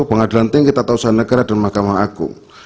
pengadilan tinggi tata usaha negara dan mahkamah agung